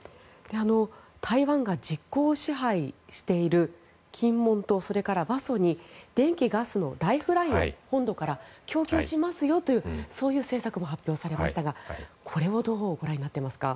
台湾が実効支配している金門島それから馬祖に電気・ガスのライフラインを本土から供給しますよという政策が発表されましたがこれはどうご覧になっていますか。